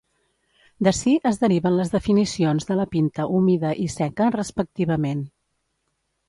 D'ací es deriven les definicions de la pinta humida i seca, respectivament.